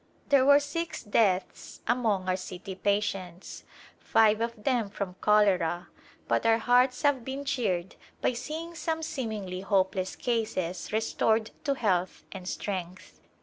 There were six deaths among our city patients, five of them from cholera, but our hearts have been cheered [ 12;] A Glimpse of India by seeing some seemingly hopeless cases restored to health and strength.